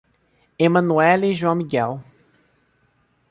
Emanuelly e João Miguel